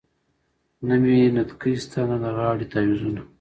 نه مې نتکې شته نه د غاړې تعویذونه .